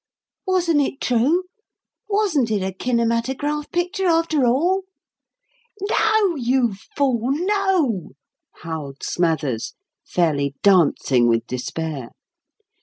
Wasn't it true? Wasn't it a kinematograph picture, after all?" "No, you fool, no!" howled Smathers, fairly dancing with despair.